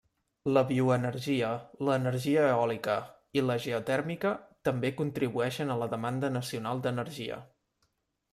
La bioenergia, l'energia eòlica i la geotèrmica també contribueixen a la demanda nacional d'energia.